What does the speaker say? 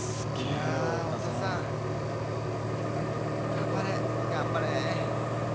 頑張れ頑張れ。